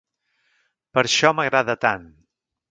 Per això m'agrada tant.